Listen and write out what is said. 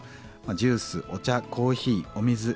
ジュースお茶コーヒーお水。